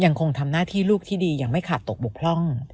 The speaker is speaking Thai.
ยังคงทำหน้าที่ลูกที่ดีอย่างไม่ขาดตกบกพร่อง